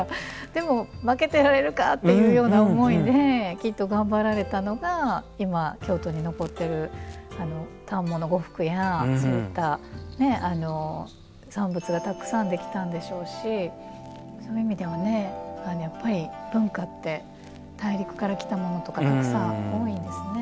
でも負けてられるかっていうような思いできっと頑張られたのが今京都に残ってる反物呉服やそういった産物がたくさん出来たんでしょうしそういう意味ではやっぱり文化って大陸から来たものとかたくさん多いんですね。